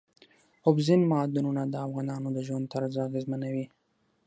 اوبزین معدنونه د افغانانو د ژوند طرز اغېزمنوي.